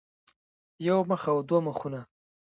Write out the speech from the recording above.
يو مخ او دوه مخونه